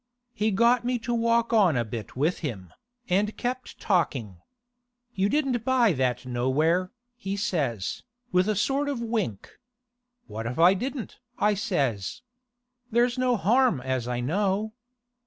He got me to walk on a bit with him, and kept talking. "You didn't buy that nowhere," he says, with a sort of wink. "What if I didn't?" I says. "There's no harm as I know."